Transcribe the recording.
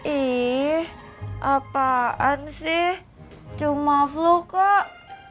ih apaan sih cuma flu kok